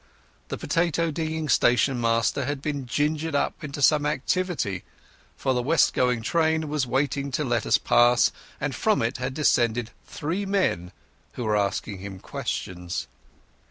The potato digging station master had been gingered up into some activity, for the west going train was waiting to let us pass, and from it had descended three men who were asking him questions.